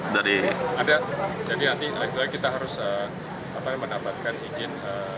ada jadi nanti kita harus mendapatkan izin